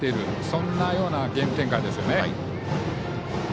そんなようなゲーム展開ですね。